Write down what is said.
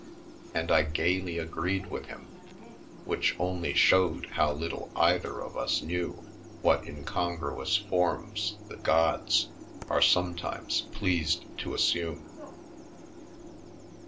* And I gaily agreed with him, which only showed how little either of us knew what incongruous forms the gods are sometimes pleased to assume.